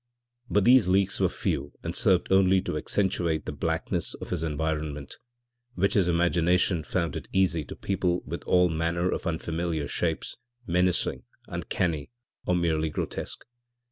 But these leaks were few and served only to accentuate the blackness of his environment, which his imagination found it easy to people with all manner of unfamiliar shapes, menacing, uncanny, or merely grotesque.